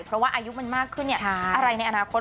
เพราะว่าอายุมันมากขึ้นอะไรในอนาคต